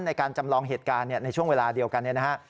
ในการจำลองเหตุการณ์ในช่วงเวลาเดียวกันเนี่ยนะฮะ